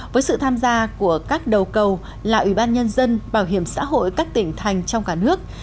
với sự tham gia của các đầu cầu là ủy ban nhân dân bảo hiểm xã hội các tỉnh thành trong cả nước